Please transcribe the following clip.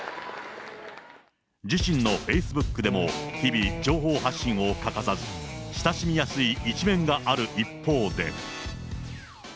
自身のフェイスブックでも日々情報発信を欠かさず、親しみやすい一面がある一方で。